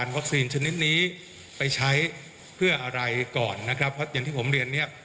ชนิดนี้ไปใช้เพื่ออะไรก่อนนะครับเพราะอย่างที่ผมเรียนเนี่ย